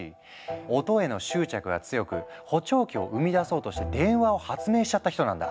音への執着が強く補聴器を生み出そうとして電話を発明しちゃった人なんだ。